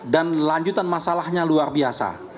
dan lanjutan masalahnya luar biasa